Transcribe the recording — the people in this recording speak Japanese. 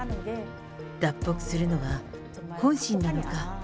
脱北するのは、本心なのか。